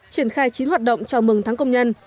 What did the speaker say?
triển khai chín hoạt động chào mừng tháng công nhân